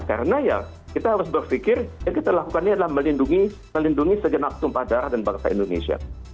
karena ya kita harus berpikir yang kita lakukan ini adalah melindungi segenap sumpah darah dan bangsa indonesia